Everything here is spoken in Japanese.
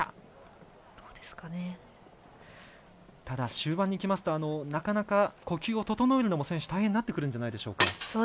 ただ、終盤にきますとなかなか呼吸を整えるのも、選手大変になってくるんじゃないでしょうか。